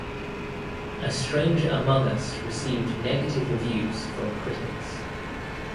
"A Stranger Among Us" received negative reviews from critics.